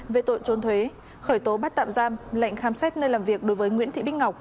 về tội trốn thuế khởi tố bắt tạm giam lệnh khám xét nơi làm việc đối với nguyễn thị bích ngọc